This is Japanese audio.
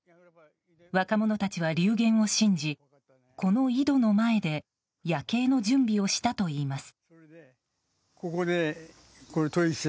若者たちは流言を信じこの井戸の前で夜警の準備をしたといいます。